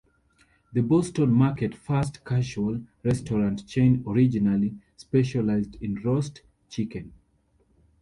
The Boston Market fast casual restaurant chain originally specialized in roast chicken.